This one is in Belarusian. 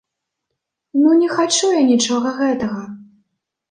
Ну, не хачу я нічога гэтага.